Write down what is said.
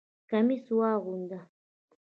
کمیس واغونده!